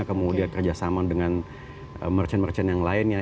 kemudian kerjasama dengan merchant merchant yang lainnya